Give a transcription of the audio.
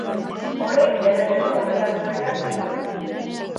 Horrek erregio aurreratuena bihurtzen du.